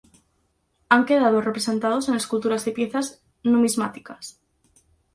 Han quedado representados en esculturas y piezas numismáticas.